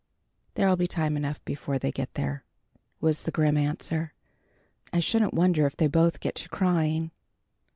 "There'll be time enough before they get there," was the grim answer. "I shouldn't wonder if they both get to crying."